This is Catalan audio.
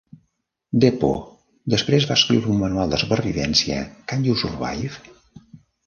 DePugh després va escriure un manual de supervivència, Can You Survive?